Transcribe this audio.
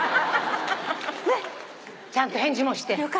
ちゃんと返事もして。